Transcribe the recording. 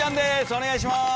お願いします。